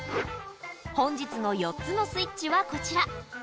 本日の４つのスイッチはこちら。